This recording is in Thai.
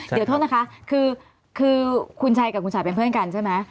เดี๋ยวโทษนะคะคือคุณชัยกับคุณฉายเป็นเพื่อนกันใช่ไหม